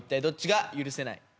「どっちが許せない！？」